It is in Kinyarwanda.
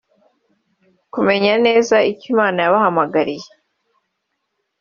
kumenya neza icyo Imana yabahamagariye